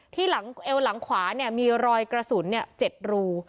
หลังเอวหลังขวามีรอยกระสุน๗รู